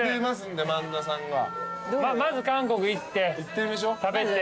まず韓国行って食べて。